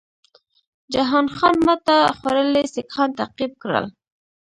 جهان خان ماته خوړلي سیکهان تعقیب کړل.